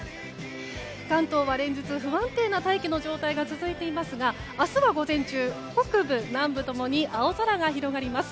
関東は連日、不安定な大気の状態が続いていますが明日は午前中北部、南部共に青空が広がります。